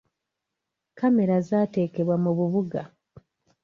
Kamera zateekebwa mu bubuga.